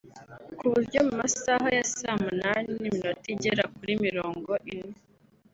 ku buryo mu masaha ya saa munani n’iminota igera kuri mirongo ine